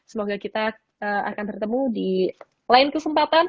semoga kita akan bertemu di lain kesempatan